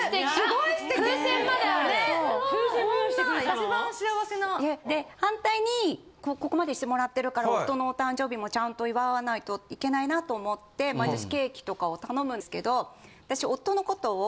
こんな一番幸せな。で反対にここまでしてもらってるから夫のお誕生日もちゃんと祝わないといけないなと思って毎年ケーキとかを頼むんですけど私夫のことを。